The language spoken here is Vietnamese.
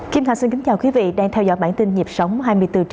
kim thạch xin kính chào quý vị đang theo dõi bản tin nhịp sóng hai mươi bốn h bảy